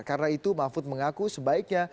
karena itu mahfud mengaku sebaiknya